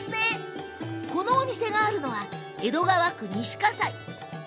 このお店があるのは江戸川区・西葛西。